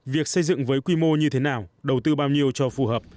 việc xây dựng với quy mô như thế nào đầu tư bao nhiêu cho phù hợp